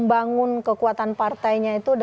banyak yang ditup intea di rio simple